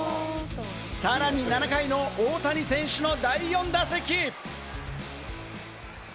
さらに７回の大谷選手の第４打席。